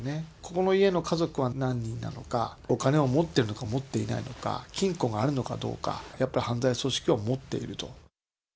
この家の家族は何人なのか、お金を持ってるのか持っていないのか、金庫があるのかどうか、やっぱり犯罪組織は持っていると。